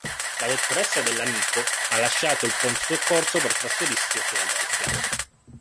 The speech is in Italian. La Dottoressa Dell'Amico ha lasciato il pronto soccorso per trasferirsi a Philadelphia.